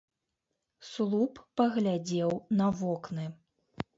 Слуп паглядзеў на вокны.